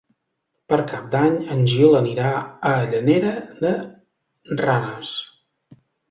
Per Cap d'Any en Gil anirà a Llanera de Ranes.